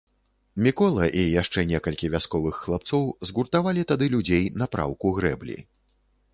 Мікола і яшчэ некалькі вясковых хлапцоў згуртавалі тады людзей на праўку грэблі.